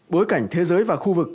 bối cảnh thế giới và khu vực